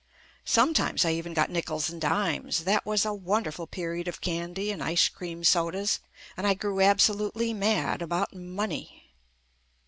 Sometimes I even got nickels and dimes. That was a wonderful period of candy and ice cream sodas, and I grew absolutely mad about money.